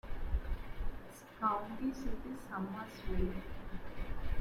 Its county seat is Summersville.